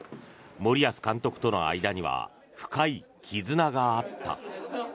森保監督との間には深い絆があった。